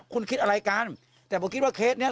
คุณคิดอะไรกันแต่ผมคิดว่าเคสเนี้ย